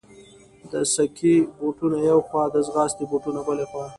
د سکې بوټونه یوې خوا، د ځغاستې بوټونه بلې خوا.